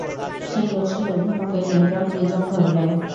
সেই রশ্মির অভিমুখে নিউটন প্রিজম ধরলেন।